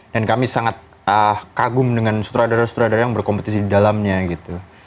dan kami sangat kagum dengan sutradara sutradara yang berkompetisi di dalamnya gitu